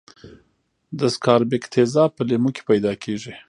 د سکاربیک تیزاب په لیمو کې پیداکیږي.